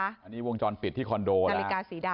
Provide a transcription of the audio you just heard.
อันนี้วงจรปิดที่คอนโดละ